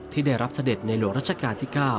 ที่ได้รับเสด็จในหลวงรัชกาลที่๙